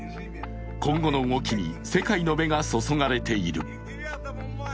今後の動きに世界の目が注がれている。